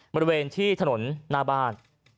บริเวณที่ถนนหน้าบ้าน